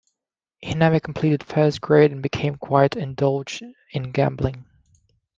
He never completed first grade and became quite indulged in gambling.